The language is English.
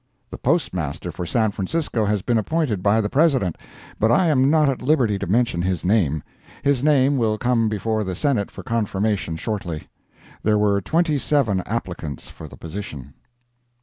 The Postmaster for San Francisco has been appointed by the President, but I am not at liberty to mention his name. His name will come before the Senate for confirmation shortly. There were twenty seven applicants for the position.